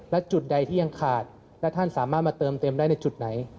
และจุดใดที่ยังขาดและท่านสามารถมาเติมเต็มได้ในจุดไหน